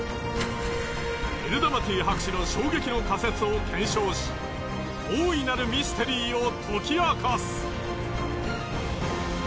エルダマティ博士の衝撃の仮説を検証し大いなるミステリーを解き明かす！